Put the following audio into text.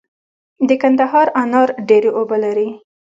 د کندهار انار ډیرې اوبه لري.